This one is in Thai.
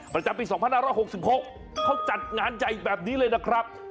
ประจำปี๒๕๖๖เขาจัดงานใหญ่แบบนี้เลยนะครับ